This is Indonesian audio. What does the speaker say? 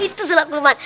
itu sulap lukman